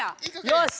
よし！